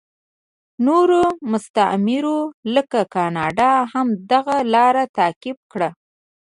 نورو مستعمرو لکه کاناډا هم دغه لار تعقیب کړه.